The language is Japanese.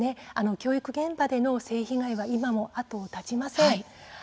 教育現場での性被害は今も後を絶ちません。